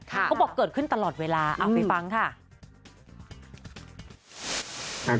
เขาบอกเกิดขึ้นตลอดเวลาเอาไปฟังค่ะ